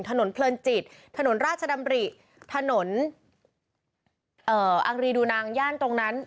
ถนนเพลินจิตถนนราชดำริถนนอังรีดูนางย่านตรงนั้น